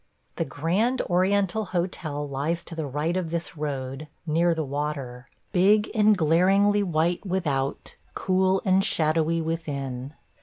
The Grand Oriental Hotel lies to the right of this road, near the water; big and glaringly white without, cool and shadowy within.